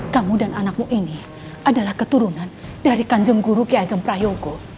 kamu dan anakmu ini adalah keturunan dari kanjeng guru kiai gemprayogo